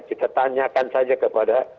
kita tanyakan saja kepada